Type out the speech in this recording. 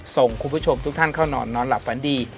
ส่งคุณผู้ชมทุกท่านเข้านอนนอนหลับฝันดี